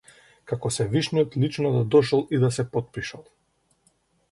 Како севишниот лично да дошол и да се потпишал.